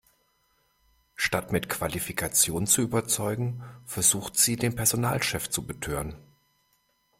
Statt mit Qualifikation zu überzeugen, versucht sie, den Personalchef zu betören.